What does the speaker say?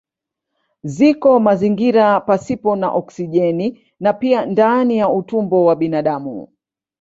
Ziko mazingira pasipo na oksijeni na pia ndani ya utumbo wa binadamu.